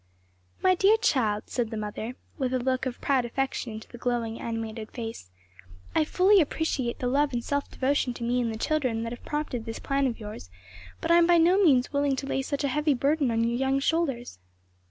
"My dear child!" the mother said with a look of proud affection into the glowing animated face, "I fully appreciate the love and self devotion to me and the children that have prompted this plan of yours; but I am by no means willing to lay such heavy burdens on your young shoulders."